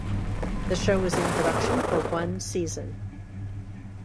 The show was in production for one season.